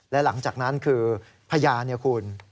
และหลังจากนั้นคือพยานเนี่ยคุณ